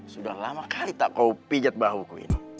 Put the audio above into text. sudah lama kali tak kau pijat bahuku ini